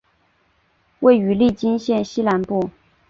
位于利津县西南部。